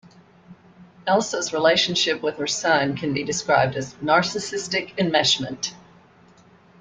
Else's relationship with her son can be described as "narcissistic enmeshment".